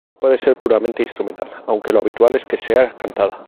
Puede ser puramente instrumental, aunque lo habitual es que sea cantada.